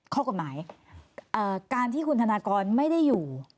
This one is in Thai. ข้อกฎหมายการที่คุณธนากรไม่ได้อยู่